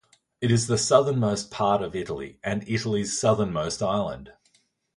It is the southernmost part of Italy and Italy's southernmost island.